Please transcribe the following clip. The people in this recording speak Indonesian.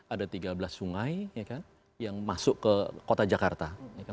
ada tiga belas sungai yang masuk ke kota jakarta